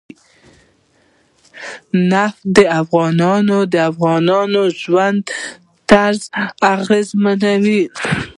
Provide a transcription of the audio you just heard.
نفت د افغانانو د ژوند طرز اغېزمنوي.